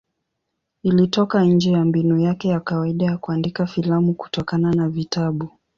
Ilitoka nje ya mbinu yake ya kawaida ya kuandika filamu kutokana na vitabu.